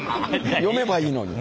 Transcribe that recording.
読めばいいのに。